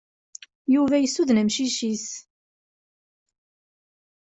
Yuba yessuden amcic-is.